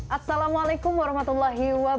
assalamualaikum wr wb